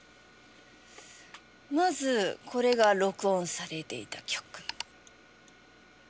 まずこれが録音されていた曲。